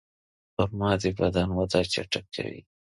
خرما د بدن وده چټکوي.